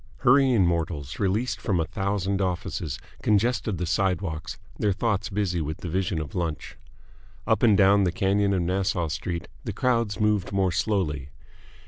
Hurrying mortals, released from a thousand offices, congested the sidewalks, their thoughts busy with the vision of lunch. Up and down the canyon of Nassau Street the crowds moved more slowly.